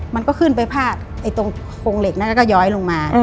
มันก็ขึ้นไปพาดตรงโครงเหล็กนั้นแล้วก็ย้อยลงมา